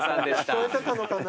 聞こえてたのかな。